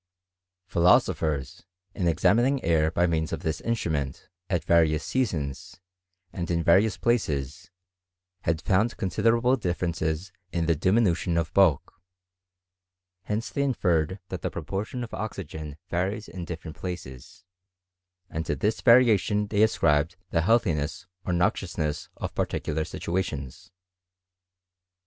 Philosophers, in examining air by means of this instrument, at various seasons, and in various places, had found considerable ditTerences in the dimi nution of bulk : hence they inferred that the propor tion of oxygen varies in different places ; and to this variation they ascribed the healthiness or noxiousness of particular situations.